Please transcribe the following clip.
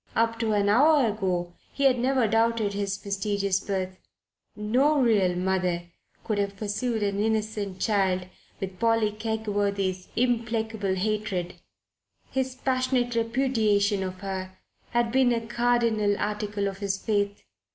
Up to an hour ago he had never doubted his mysterious birth. No real mother could have pursued an innocent child with Polly Kegworthy's implacable hatred. His passionate repudiation of her had been a cardinal article of his faith.